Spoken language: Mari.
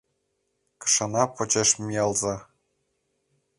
Кышана почеш миялза.